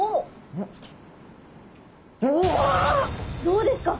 どうですか？